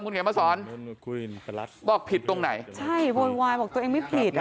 คุณเขียนมาสอนบอกผิดตรงไหนใช่โวยวายบอกตัวเองไม่ผิดอ่ะ